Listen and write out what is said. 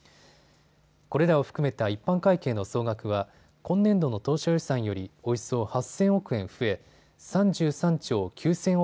これらを含めた一般会計の総額は今年度の当初予算よりおよそ８０００億円増え３３兆９０００億